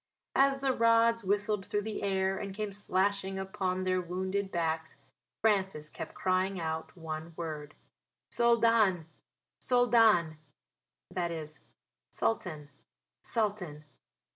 As the rods whistled through the air and came slashing upon their wounded backs Francis kept crying out one word "Soldan Soldan." That is "Sultan Sultan."